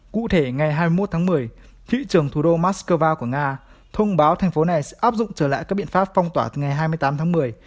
cụ thể ngày hai mươi một tháng một mươi thị trường thủ đô moscow của nga thông báo thành phố này sẽ áp dụng trở lại các biện pháp phong tỏa ngày hai mươi tám tháng một mươi